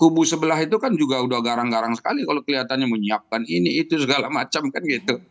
kubu sebelah itu kan juga udah garang garang sekali kalau kelihatannya menyiapkan ini itu segala macam kan gitu